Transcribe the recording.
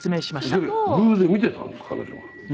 それ偶然見てたんです彼女が。